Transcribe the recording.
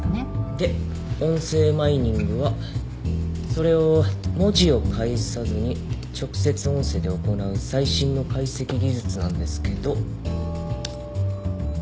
で音声マイニングはそれを文字を介さずに直接音声で行う最新の解析技術なんですけど。